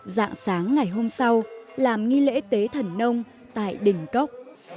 dạng sáng ngày hôm sau làm nghi lễ tế thần nông tại đỉnh cốc